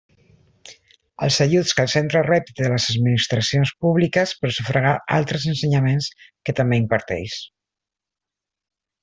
Els ajuts que el centre rep de les administracions públiques per sufragar altres ensenyaments que també imparteix.